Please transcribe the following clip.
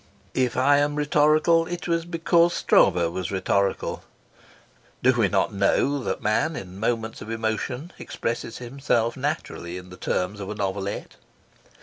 If I am rhetorical it is because Stroeve was rhetorical. (Do we not know that man in moments of emotion expresses himself naturally in the terms of a novelette?)